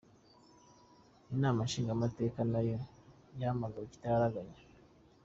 Inama nshingamateka na yo yahamagawe ikitaraganya.